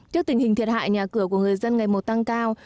trước tình hình thiệt hại nhà cửa của người dân ngày một tăng cao